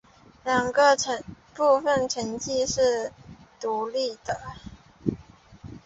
两个部分的成绩是独立的。